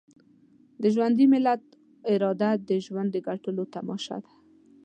د ژوندي ملت اراده د ژوند د ګټلو تماشه ده.